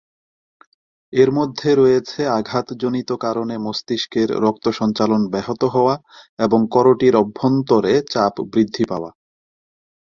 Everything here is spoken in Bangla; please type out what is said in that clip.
এর মধ্যে রয়েছে আঘাতজনিত কারণে মস্তিষ্কের রক্ত সঞ্চালন ব্যহত হওয়া এবং করোটির অভ্যন্তরে চাপ বৃদ্ধি পাওয়া।